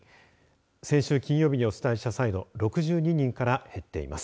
先週金曜日にお伝えした際の６２人から減っています。